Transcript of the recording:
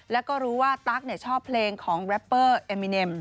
แล้วก็รู้ว่าตั๊กชอบเพลงของแรปเปอร์เอมิเนม